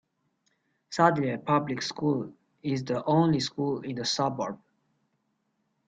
Sadleir Public School is the only school in the suburb.